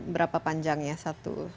berapa panjang ya satu